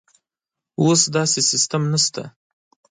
اوس داسې سیستم نشته.